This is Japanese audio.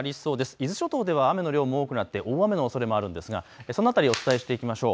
伊豆諸島では雨の量も多くなって大雨のおそれもあるんですがその辺りお伝えしていきましょう。